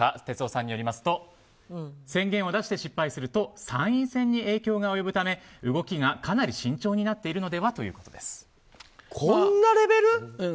哲夫さんによりますと宣言を出して失敗すると参院選に影響するため動きがかなり慎重になっているのではこんなレベル？